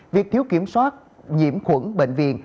việc thiếu kiểm soát nhiễm khuẩn bệnh viện